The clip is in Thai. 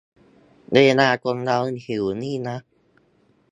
เวลาคนเราหิวนี่นะ